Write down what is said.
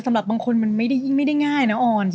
สำหรับบางคนมันไม่ได้ยิ่งไม่ได้ง่ายนะออน